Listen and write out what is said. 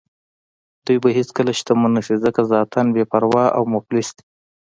دوی به هېڅکله شتمن نه شي ځکه ذاتاً بې پروا او مفلس دي.